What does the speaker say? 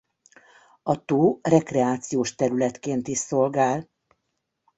A tó rekreációs területként is szolgál.